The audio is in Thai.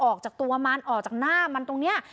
ออกจากตัวมันออกจากหน้ามันตรงนี้